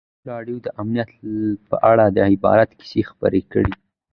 ازادي راډیو د امنیت په اړه د عبرت کیسې خبر کړي.